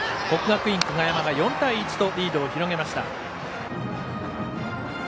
国学院久我山が４対１とリードを広げました。